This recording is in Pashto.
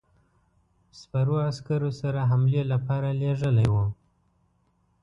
سپرو عسکرو سره حملې لپاره لېږلی وو.